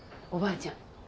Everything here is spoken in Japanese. おばあちゃん